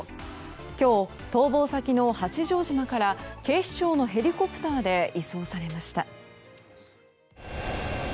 今日、逃亡先の八丈島から警視庁のヘリコプターで移送されました。